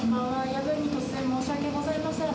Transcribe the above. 夜分に突然申し訳ございません。